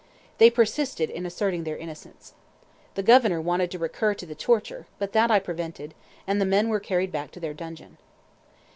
They persisted in asserting their innocence. The Governor wanted to recur to the torture, but that I prevented, and the men were carried back to their dungeon.